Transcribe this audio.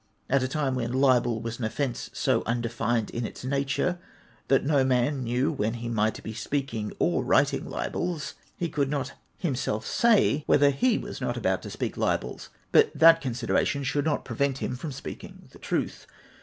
At a time when libel was an off"ence so un defined in its nature that no man knew when he might be speaking or writing libels, he could not himself say whether F F 3 438 APPENDIX X. he was not al)out to speak libels, but that consideration should not prevent him from speaking the truth.